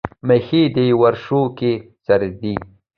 مېښې دې ورشو کښې څرېدې